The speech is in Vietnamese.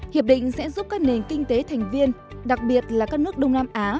hiệp định sẽ giúp các nền kinh tế thành viên đặc biệt là các nước đông nam á